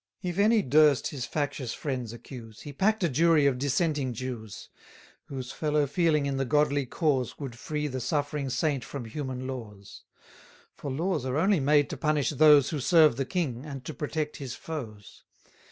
If any durst his factious friends accuse, He pack'd a jury of dissenting Jews; Whose fellow feeling in the godly cause Would free the suffering saint from human laws. For laws are only made to punish those 610 Who serve the king, and to protect his foes.